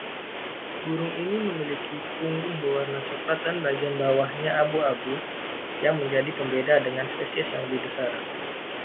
Burung ini memiliki punggung berwarna cokelat dan bagian bawahnya abu-abu yang menjadi pembeda dengan spesies yang lebih besar.